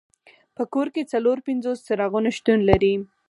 په کور کې څلور پنځوس څراغونه شتون لري.